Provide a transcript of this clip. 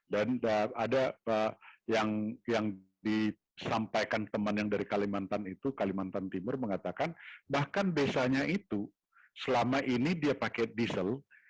dan ada yang disampaikan teman yang dari kalimantan itu kalimantan timur mengatakan bahkan besanya itu selama ini dia pakai diesel